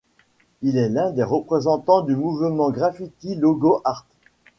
Il est l'un des représentants du mouvement graffiti Logo Art.